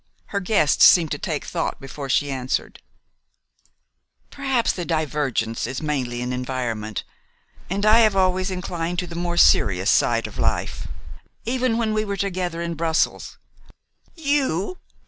Her guest seemed to take thought before she answered: "Perhaps the divergence is mainly in environment. And I have always inclined to the more serious side of life. Even when we were together in Brussels " "You?